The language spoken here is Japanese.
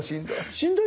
しんどい。